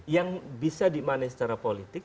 yang bisa dimanai secara politik